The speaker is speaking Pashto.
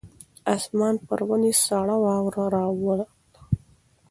اسمان پر ونې سړه واوره راووروله.